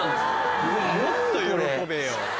もっと喜べよ。